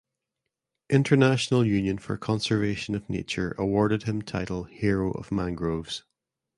International Union for Conservation of Nature awarded him title Hero of mangroves.